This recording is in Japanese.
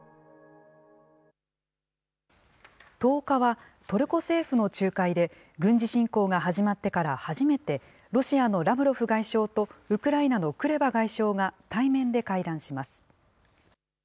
１０日はトルコ政府の仲介で軍事侵攻が始まってから初めて、ロシアのラブロフ外相と、ウクライナのクレバ外相が対面で会談します。